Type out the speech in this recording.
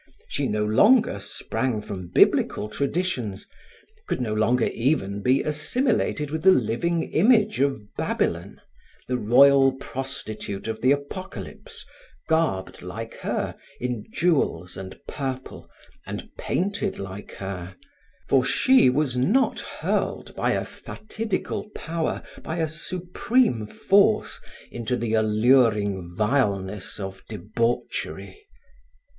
She no longer sprang from biblical traditions, could no longer even be assimilated with the living image of Babylon, the royal Prostitute of the Apocalypse, garbed like her in jewels and purple, and painted like her; for she was not hurled by a fatidical power, by a supreme force, into the alluring vileness of debauchery.